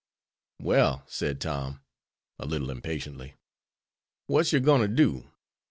"Well," said Tom, a little impatiently, "what's yer gwine to do?